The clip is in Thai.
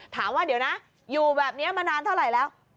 ถามว่าเดี๋ยวนะอยู่แบบนี้มานานเท่าไหร่แล้ว